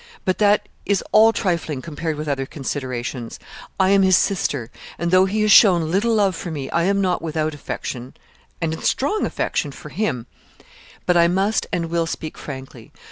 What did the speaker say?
But that is all trifling compared with other considerations. I am his sister, and, though he has shown little love for me, I am not without affection and strong affection for him; but I must and will speak frankly.